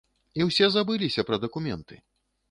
І ўсе забыліся пра дакументы!